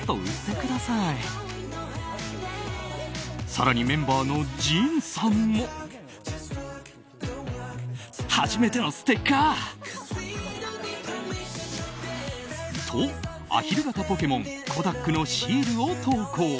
更にメンバーのＪＩＮさんも。と、アヒル形ポケモンコダックのシールを投稿。